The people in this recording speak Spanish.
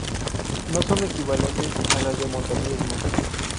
No son equivalentes a las de montañismo.